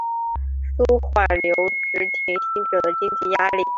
纾缓留职停薪者的经济压力